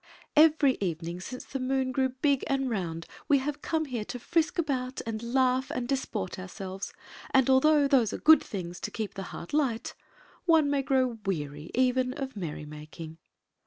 " Every evening since the moon grew big and round we have come here to frisk about and laugh and dis port ourselves; and although those are good things to keep the heart light, one may grow weary even of merrymaking.